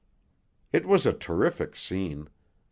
It was a terrific scene.